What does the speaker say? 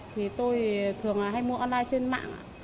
thì tôi thường hay mua online trên mạng